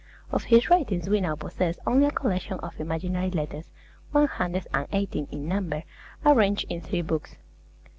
Of his writings we now possess only a collection of imaginary letters, one hundred and eighteen in number, arranged in three books.